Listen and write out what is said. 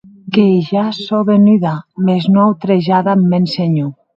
Que ja sò venuda, mès non autrejada ath mèn senhor.